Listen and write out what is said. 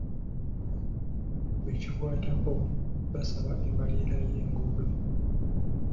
Bekikwatako basaba embalirira y'enguudo.